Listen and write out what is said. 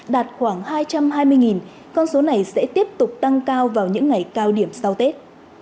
đạt khoảng hai trăm hai mươi con số này sẽ tiếp tục tăng cao vào những ngày cao điểm sau tết